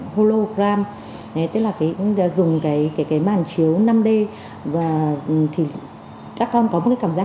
hologram tức là dùng cái màn chiếu năm d và thì các con có một cái cảm giác